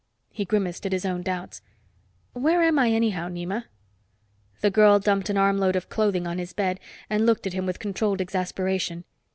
He grimaced at his own doubts. "Where am I, anyhow, Nema?" The girl dumped an armload of clothing on his bed and looked at him with controlled exasperation.